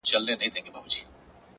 پوه انسان تل د ودې په حال وي،